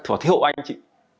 thỏa thiệu anh chị